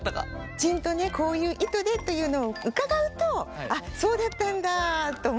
きちんとこういう意図でというのを伺うとそうだったんだと思ってね